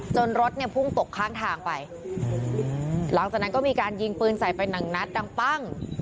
รถเนี่ยพุ่งตกข้างทางไปหลังจากนั้นก็มีการยิงปืนใส่ไปหนึ่งนัดดังปั้ง